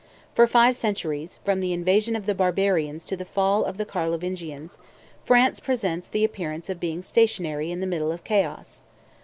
For five centuries, from the invasion of the barbarians to the fall of the Carlovingians, France presents the appearance of being stationary in the middle of chaos.